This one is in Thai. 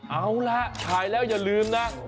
เอาล่ะขายแล้วอย่าลืมนะ